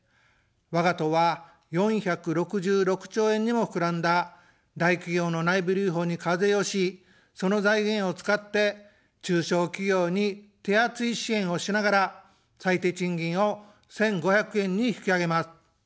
わが党は４６６兆円にもふくらんだ大企業の内部留保に課税をし、その財源を使って、中小企業に手厚い支援をしながら、最低賃金を１５００円に引き上げます。